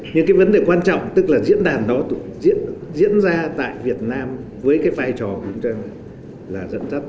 những cái vấn đề quan trọng tức là diễn đàn đó diễn ra tại việt nam với cái vai trò của chúng ta là dẫn dắt